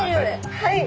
はい！